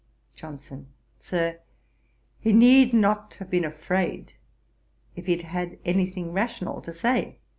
JOHNSON. 'Sir, he need not have been afraid, if he had any thing rational to say.